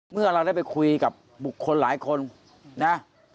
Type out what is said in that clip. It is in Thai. เมื่อเราได้ไปคุยกับบุคคลหลายคนนะ